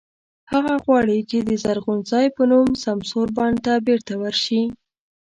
هغه غواړي چې د "زرغون ځای" په نوم سمسور بڼ ته بېرته ورشي.